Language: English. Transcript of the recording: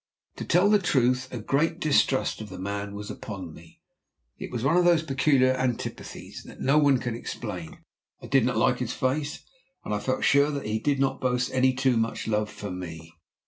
To tell the truth, a great distrust of the man was upon me. It was one of those peculiar antipathies that no one can explain. I did not like his face, and I felt sure that he did not boast any too much love for me.